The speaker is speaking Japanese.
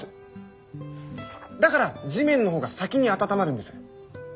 だから地面の方が先に温まるんです。